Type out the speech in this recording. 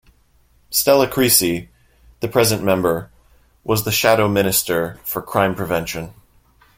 Stella Creasy, the present member, was the Shadow Minister for Crime Prevention.